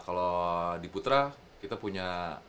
kalau di putra kita punya